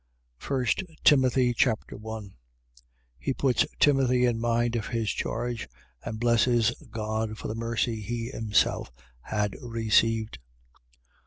1 Timothy Chapter 1 He puts Timothy in mind of his charge and blesses God for the mercy he himself had received.